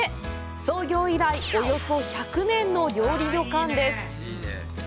創業以来およそ１００年の料理旅館です。